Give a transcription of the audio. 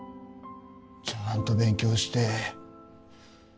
ちゃんと勉強して